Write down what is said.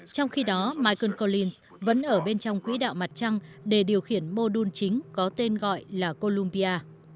trong khi đó michael colines vẫn ở bên trong quỹ đạo mặt trăng để điều khiển mô đun chính có tên gọi là colombia